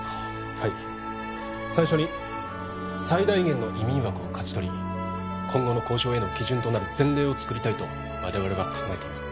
はい最初に最大限の移民枠を勝ち取り今後の交渉への基準となる前例を作りたいと我々は考えています